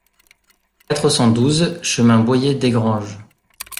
quatre cent douze chemin Boyer Desgranges